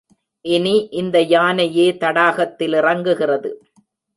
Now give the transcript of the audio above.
இனி இந்த யானையே தடாகத்தில் இறங்குகிறது.